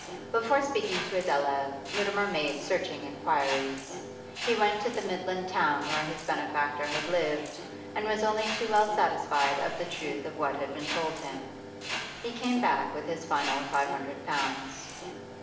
Before speaking to Adela, Mutimer made searching inquiries. He went to the Midland town where his benefactor had lived, and was only too well satisfied of the truth of what had been told him. He came back with his final five hundred pounds.